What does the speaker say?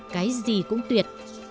cái gì cũng tuyệt